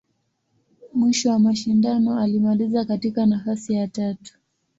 Mwisho wa mashindano, alimaliza katika nafasi ya tatu.